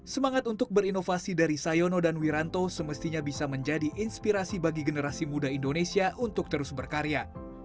semangat untuk berinovasi dari sayono dan wiranto semestinya bisa menjadi inspirasi bagi generasi muda indonesia untuk terus berkarya